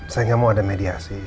saya nggak mau ada mediasi